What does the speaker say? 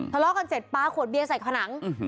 ทะเลาะกันเสร็จปลาขวดเบียร์ใส่ผนัง